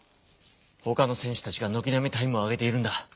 ほかの選手たちがのきなみタイムを上げているんだ。